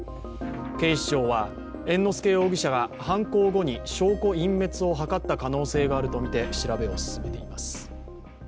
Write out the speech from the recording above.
警視庁は猿之助容疑者が犯行後に証拠隠滅を図った可能性があるとみて、調べを進めています。